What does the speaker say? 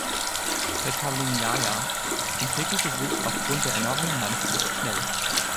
Petaling Jaya entwickelte sich aufgrund der enormen Landflucht schnell.